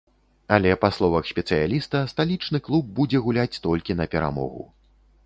Але, па словах спецыяліста, сталічны клуб будзе гуляць толькі на перамогу.